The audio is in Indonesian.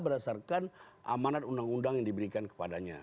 berdasarkan amanat undang undang yang diberikan kepadanya